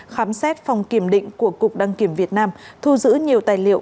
khám xét phòng kiểm định của cục đăng kiểm việt nam thu giữ nhiều tài liệu